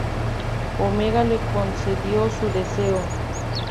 Omega le concedió su deseo.